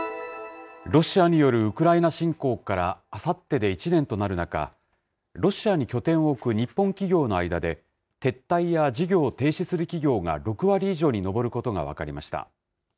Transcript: ロシアによるウクライナ侵攻からあさってで１年となる中、ロシアに拠点を置く日本企業の間で、撤退や事業を停止する企業が６割以上に上ることが分かりました。